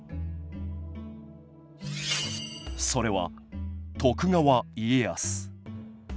それは徳川家康。